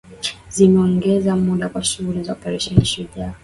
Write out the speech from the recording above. Zimeongeza muda wa shughuli za Operesheni Shujaa